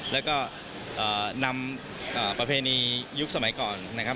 แล้วก็นำประเพณียุคสมัยก่อนนะครับ